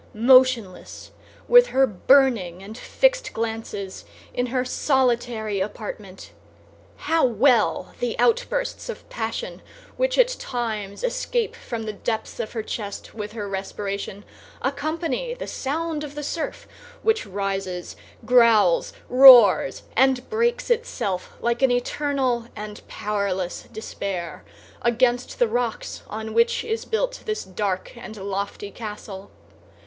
Motionless, with her burning and fixed glances, in her solitary apartment, how well the outbursts of passion which at times escape from the depths of her chest with her respiration, accompany the sound of the surf which rises, growls, roars, and breaks itself like an eternal and powerless despair against the rocks on which is built this dark and lofty castle!